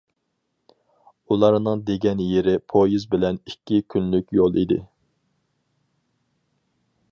ئۇلارنىڭ دېگەن يېرى پويىز بىلەن ئىككى كۈنلۈك يول ئىدى.